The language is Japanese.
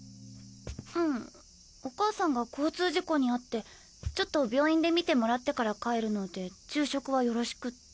うんお母さんが交通事故にあってちょっと病院で診てもらってから帰るので昼食はよろしくって。